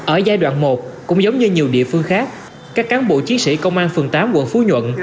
ở giai đoạn một cũng giống như nhiều địa phương khác các cán bộ chiến sĩ công an phường tám quận phú nhuận